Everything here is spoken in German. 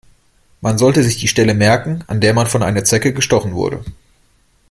Man sollte sich die Stelle merken, an der man von einer Zecke gestochen wurde.